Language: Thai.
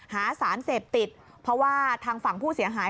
หาสารเสพติดเพราะว่าทางฝั่งผู้เสียหาย